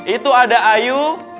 itu ada ayu